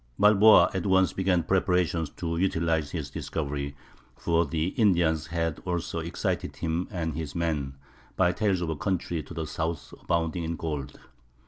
Balboa at once began preparations to utilize his discovery, for the Indians had also excited him and his men by tales of a country to the south abounding in gold.